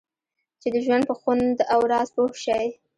چې د ژوند په خوند او راز پوه شئ.